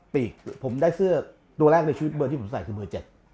ปีกผมได้เสื้อตัวแรกในชีวิตเบอร์ที่ผมใส่คือเบอร์เจ็ด